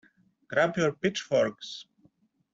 Grab your pitchforks!